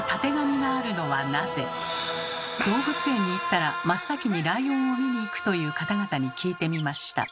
動物園に行ったら真っ先にライオンを見に行くという方々に聞いてみました。